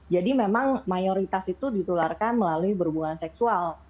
jadi memang mayoritas itu ditularkan melalui berhubungan seksual